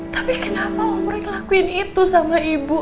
tapi kenapa om roy ngelakuin itu sama ibu